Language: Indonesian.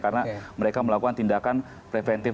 karena mereka melakukan tindakan preventif